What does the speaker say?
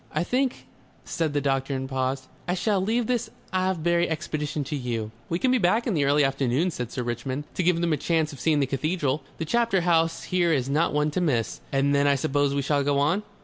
"I think," said the doctor and paused. "I shall leave this Avebury expedition to you." "We can be back in the early afternoon," said Sir Richmond. "To give them a chance of seeing the cathedral. The chapter house here is not one to miss...." "And then I suppose we shall go on?